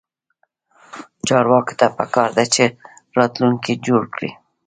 چارواکو ته پکار ده چې، راتلونکی جوړ کړي